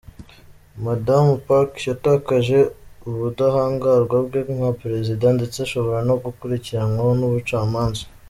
Madamu Park yatakaje ubudahangarwa bwe nka perezida, ndetse ashobora no gukurikiranwa n'ubucamanza.